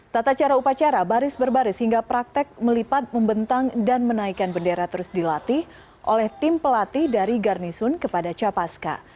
tata cara upacara baris berbaris hingga praktek melipat membentang dan menaikkan bendera terus dilatih oleh tim pelatih dari garnisun kepada capaska